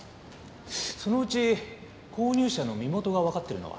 そのうち購入者の身元がわかっているのは？